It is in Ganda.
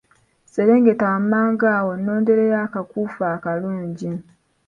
Sserengeta wammanga awo onnondereyo akakuufu akalungi.